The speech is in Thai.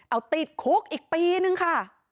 เอาติดคุกอีกปีนึงค่ะ